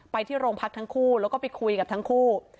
ไปที่โรงพักทั้งคู่แล้วก็ไปคุยกับทั้งคู่